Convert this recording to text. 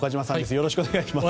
よろしくお願いします。